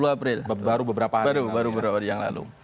dua puluh april baru beberapa hari yang lalu